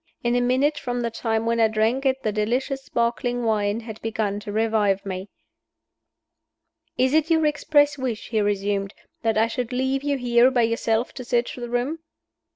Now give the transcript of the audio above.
In a minute from the time when I drank it the delicious sparkling wine had begun to revive me. "Is it your express wish," he resumed, "that I should leave you here by yourself to search the room?"